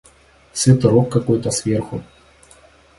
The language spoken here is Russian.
Свитерок какой-то, сверху.